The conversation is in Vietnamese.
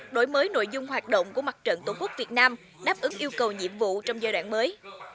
đổi mới nội dung hoạt động của mặt trận tổ quốc việt nam đáp ứng yêu cầu nhiệm vụ trong giai đoạn mới